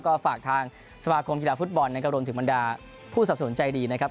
ก็ฝากทางสมาคมกีฬาฟุตบอลนะครับรวมถึงบรรดาผู้สับสนุนใจดีนะครับ